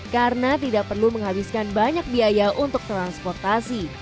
karena tidak perlu menghabiskan banyak biaya untuk transportasi